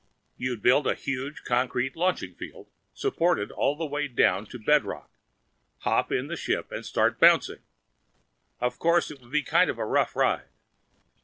You'd build a huge concrete launching field, supported all the way down to bedrock, hop in the ship and start bouncing. Of course it would be kind of a rough ride....